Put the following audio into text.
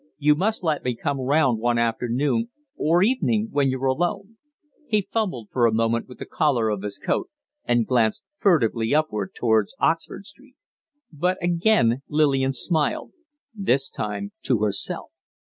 You must let me come round one afternoon or evening, when you're alone." He fumbled for a moment with the collar of his coat, and glanced furtively upward towards Oxford Street. But again Lillian smiled this time to herself.